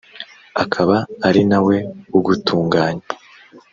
akaba ari na we ugutunganya